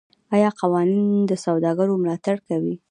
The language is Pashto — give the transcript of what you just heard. آیا قوانین د سوداګرو ملاتړ کوي؟